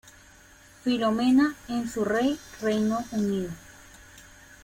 Philomena´s, en Surrey, Reino Unido.